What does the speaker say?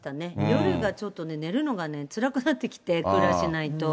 夜がちょっとね、寝るのがつらくなってきて、クーラーしないと。